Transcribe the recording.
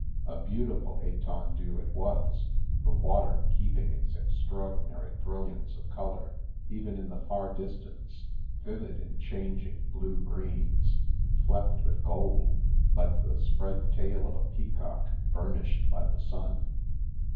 A beautiful itendue it was, the water keeping its ex traordinary brilliance of colour, even in the far dis tance; vivid in changing blue greens, flecked with gold, like the spread tail of a peacock burnished by the sun.